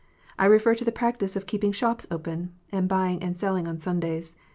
I refer to the practice of keeping shops open, and buying and selling on Sundays.